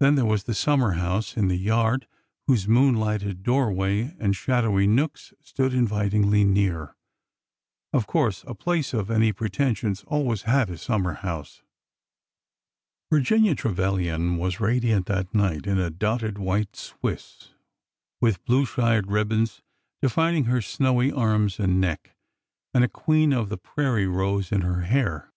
Then there was the sum mer house in the yard, whose moonlighted doorway and shadowy nooks stood invitingly near. Of course, a place of any pretensions always had a summer house. Virginia Trevilian was radiant that night in a dotted white Swiss, with blue shirred ribbons defining her snowy arms and neck, and a queen of the prairie '' rose in her hair.